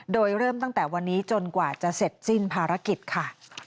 โดยเริ่มตั้งแต่วันนี้จนกว่าจะเสร็จสิ้นภารกิจค่ะ